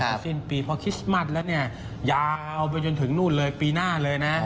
พอสิ้นปีเพราะคริสต์มัสแล้วเนี่ยยาวไปจนถึงนู่นเลยปีหน้าเลยนะ